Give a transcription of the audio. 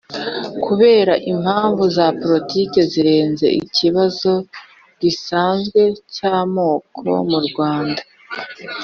kubera impamvu za politiki zirenze ikibazo gisanzwe cy'amoko mu rwanda